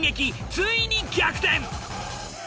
ついに逆転。